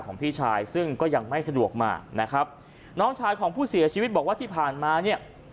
พี่ชายซึ่งก็ยังไม่สะดวกมานะครับน้องชายของผู้เสียชีวิตบอกว่าที่ผ่านมาเนี่ย